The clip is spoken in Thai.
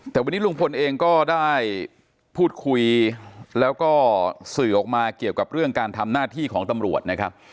แต่วันนี้ลุงพลเองก็ได้พูดคุยแล้วก็สื่อออกมาเกี่ยวกับเรื่องการทำหน้าที่ของตำรวจนะครับ